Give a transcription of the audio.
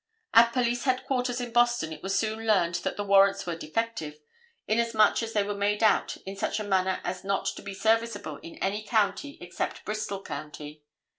At police headquarters in Boston it was soon learned that the warrants were defective, inasmuch as they were made out in such a manner as not to be serviceable in any County except Bristol County.